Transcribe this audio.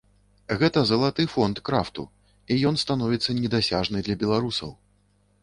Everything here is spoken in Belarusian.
Гэта залаты фонд крафту, і ён становіцца недасяжны для беларусаў!